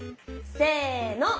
せの。